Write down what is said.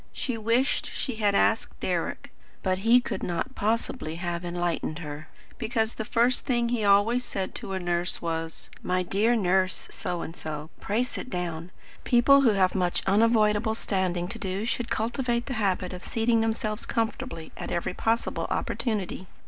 She wished she had asked Deryck. But he could not possibly have enlightened her, because the first thing he always said to a nurse was: "My dear Nurse SO AND SO, pray sit down. People who have much unavoidable standing to do should cultivate the habit of seating themselves comfortably at every possible opportunity."